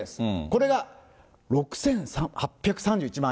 これが６８３１万円。